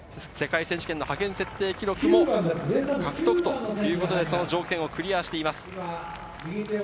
世界選手権の派遣設定記録も獲得ということで条件をクリアしています。